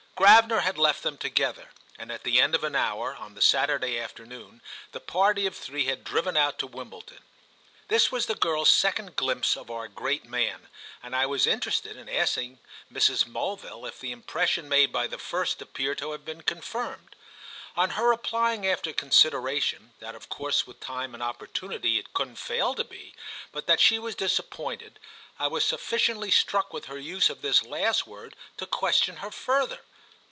Gravener had left them together, and at the end of an hour, on the Saturday afternoon, the party of three had driven out to Wimbledon. This was the girl's second glimpse of our great man, and I was interested in asking Mrs. Mulville if the impression made by the first appeared to have been confirmed. On her replying after consideration, that of course with time and opportunity it couldn't fail to be, but that she was disappointed, I was sufficiently struck with her use of this last word to question her further.